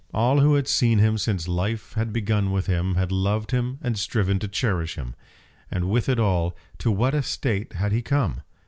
All who had seen him since life had begun with him had loved him and striven to cherish him. And with it all, to what a state had he come!